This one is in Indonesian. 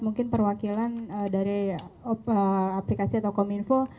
mungkin perwakilan dari aplikasi atau kominfo